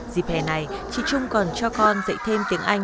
dịp hè này chị trung còn cho con dạy thêm tiếng anh